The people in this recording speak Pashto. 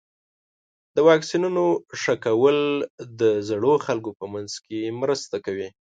د واکسینونو ښه کول د زړو خلکو په منځ کې مرسته کوي.